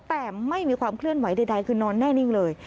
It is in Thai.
แต่ไม่มีความเคลื่อนไหวใดคือนอนแน่นิ่งเลย